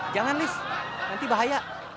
jangan lis nanti bahaya